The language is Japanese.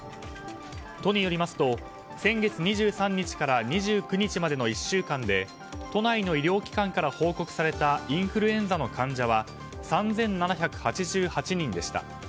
都によりますと先月２３日から２９日の１週間で都内の医療機関から報告されたインフルエンザの患者は３７８８人でした。